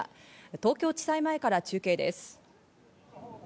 東京地裁前から中継です。